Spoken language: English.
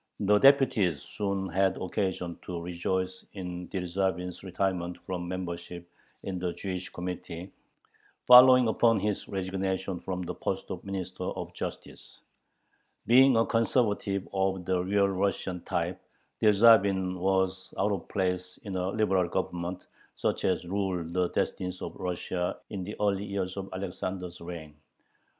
The deputies soon had occasion to rejoice in Dyerzhavin's retirement from membership in the Jewish Committee, following upon his resignation from the post of Minister of Justice. Being a conservative of the "real Russian" type, Dyerzhavin was out of place in a liberal Government such as ruled the destinies of Russia in the early years of Alexander's reign.